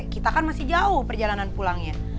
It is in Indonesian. kita kan masih jauh perjalanan pulangnya